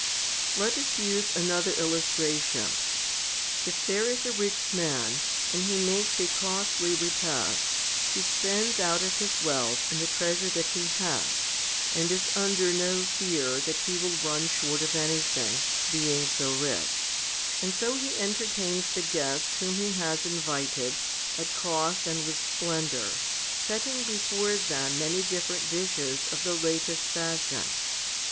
4. Let us use another illustration. If there is a rich man, and he makes a costly repast, he spends out of his wealth and the treasure that he has, and is under no fear that he will run short of anything, being so rich ; and so HOMILY XVIII 153 he entertains the guests whom he has invited at cost and with splendour, setting before them many different dishes of the latest fashion.